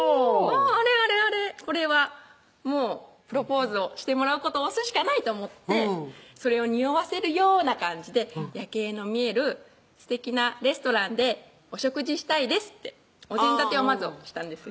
あれあれあれこれはもうプロポーズをしてもらうことを推すしかないと思ってそれをにおわせるような感じで「夜景の見えるすてきなレストランでお食事したいです」ってお膳立てをまずしたんです